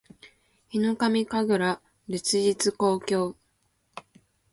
ヒノカミ神楽烈日紅鏡（ひのかみかぐられつじつこうきょう）